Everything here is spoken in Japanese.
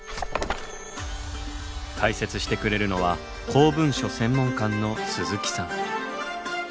解説してくれるのは公文書専門官の鈴木さん。